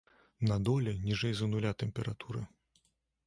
На доле ніжэй за нуля тэмпература.